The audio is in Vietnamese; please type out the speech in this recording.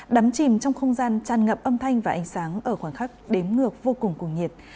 đắm chìm trong không gian tràn ngập âm thanh và ánh sáng ở khoảng khắc đếm ngược vô cùng cuồng nhiệt